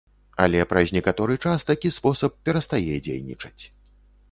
Але праз некаторы час такі спосаб перастае дзейнічаць.